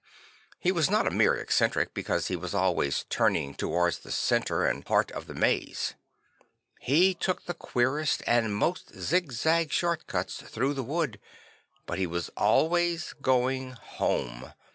He was not a mere eccentric because he was always turning towards the centre and heart of the :Ihe :Iestament of St. Francis I8I maze; he took the queerest and most zigzag short cuts through the wood, but he was always going home.